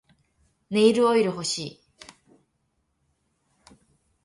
ネイルオイル欲しい